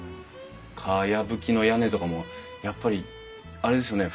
かやぶきの屋根とかもやっぱりあれですよね。